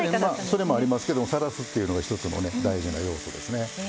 それもありますけどさらすというのが一つの大事な要素ですね。